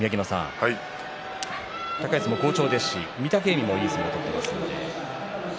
高安も好調ですし御嶽海もいい相撲を取っています。